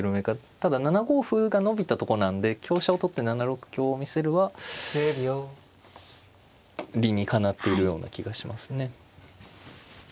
ただ７五歩が伸びたとこなんで香車を取って７六香を見せるは理にかなっているような気がしますね。